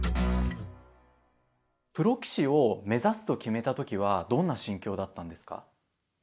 プロ棋士を目指すと決めた時はどんな心境だったんですか？